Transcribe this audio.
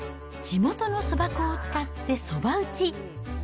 地元のそば粉を使って、そば打ち。